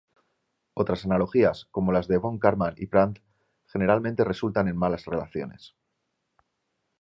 Otras analogías, como las de Von Karman y Prandtl, generalmente resultan en malas relaciones.